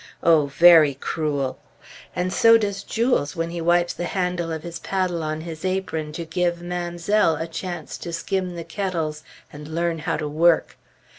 Oh! very cruel! And so does Jules, when he wipes the handle of his paddle on his apron, to give "Mamselle" a chance to skim the kettles and learn how to work!